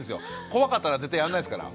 怖かったら絶対やんないですから。